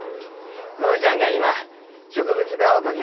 園ちゃんが今植物画を描きよったがよ。